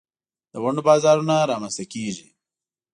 د ونډو بازارونه رامینځ ته کیږي.